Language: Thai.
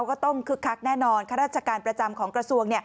ก็ต้องคึกคักแน่นอนข้าราชการประจำของกระทรวง